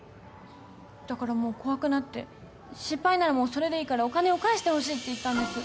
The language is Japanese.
だからもう怖くなって失敗ならもうそれでいいからお金を返してほしいって言ったんです